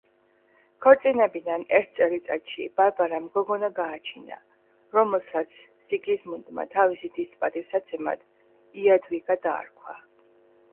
ქორწინებიდან ერთ წელიწადში ბარბარამ გოგონა გააჩინა, რომელსაც სიგიზმუნდმა თავისი დის პატივსაცემად იადვიგა დაარქვა.